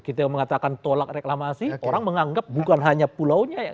kita mengatakan tolak reklamasi orang menganggap bukan hanya pulaunya yang